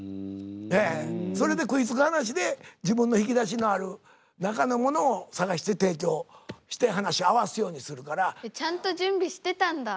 ええそれで食いつく話で自分の引き出しのある中のものを探して提供して話合わすようにするから。ちゃんと準備してたんだ。